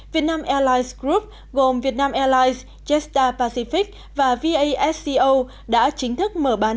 vietnam airlines group gồm vietnam airlines jetstar pacific và vasco đã chính thức mở bán